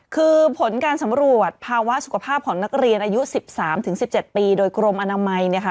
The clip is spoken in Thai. คือผลการสำรวจภาวะสุขภาพของนักเรียนอายุ๑๓๑๗ปีโดยกรมอนามัยเนี่ยค่ะ